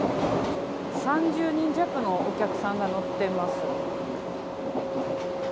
３０人弱のお客さんが乗っています。